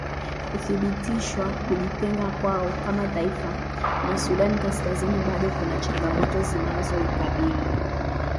kuthibitishwa kujitenga kwao kama taifa na sudan kaskazini bado kuna changamoto zinazoikabili